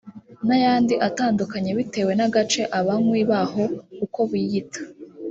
n’ayandi atandukanye bitewe n’agace abanywi baho uko biyita